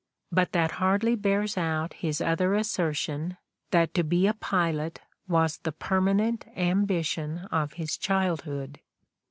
But that hardly bears out his other assertion that to be a pilot was the "permanent ambi tion" of his childhood.